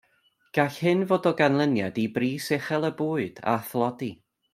Gall hyn fod o ganlyniad i bris uchel y bwyd, a thlodi.